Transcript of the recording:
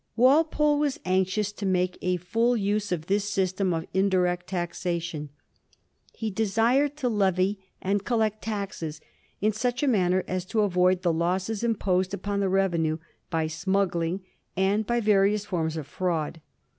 Walpole was anxious to make a full use of this system of indirect taxation. He desired to levy and coUect taxes in such a manner as to avoid the losses imposed upon the revenue by smuggling and by various forms of fi*aud.